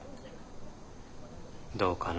どうかな。